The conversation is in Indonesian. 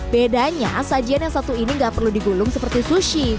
bedanya sajian yang satu ini gak perlu digulung seperti sushi